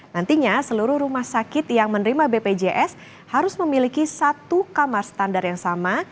nantinya seluruh rumah sakit yang menerima bpjs harus memiliki satu kamar standar yang sama